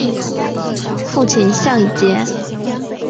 父亲向以节。